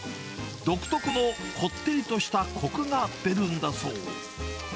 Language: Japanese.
独特のこってりとしたこくが出るんだそう。